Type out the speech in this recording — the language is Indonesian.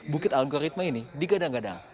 bukit algoritma ini digadang gadang